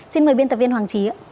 xin mời biên tập viên